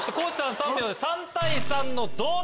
３票で３対３の同点。